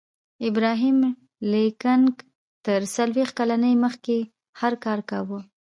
ابراهم لینکن تر څلویښت کلنۍ مخکې هر کار کاوه